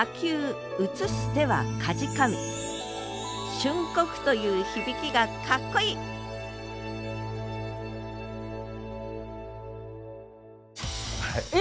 瞬刻という響きがかっこいいえ